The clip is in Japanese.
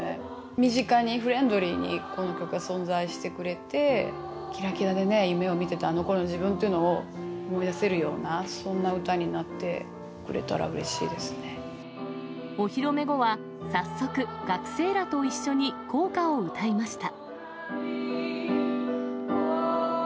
身近にフレンドリーにこの曲が存在してくれて、きらきらでね、夢をみてたあのころの自分っていうのを思い出せるような、そんな歌になってくれたらうれしいですお披露目後は、早速、学生らと一緒に校歌を歌いました。